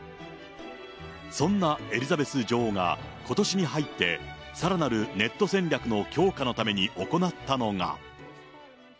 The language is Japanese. そんなエリザベス女王が、ことしに入って、さらなるネット戦略の強化のために行ったのが。